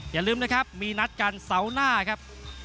อย่าลืมนะครับมีนัดกันเสาร์หน้าครับ